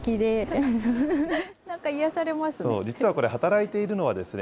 なんか癒やされますね。